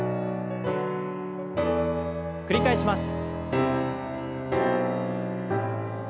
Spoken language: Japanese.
繰り返します。